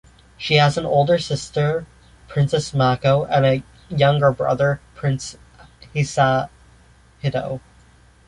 She has an older sister, Princess Mako, and a younger brother, Prince Hisahito.